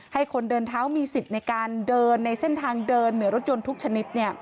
ให้คนเดินเท้ามีสิทธิ์ในการเดินในเส้นทางเดินเหนือรถยนต์ทุกชนิด